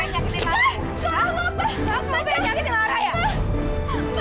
ya udah susah payah nyari itu